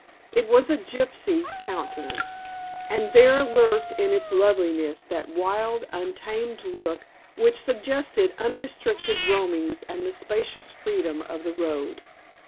It was a gypsy countenance, and there lurked in its loveliness that wild, untamed look which suggested unrestricted roamings and the spacious freedom of the road.